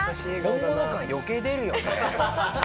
本物感余計出るよね。